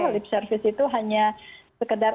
lip service itu hanya sekedar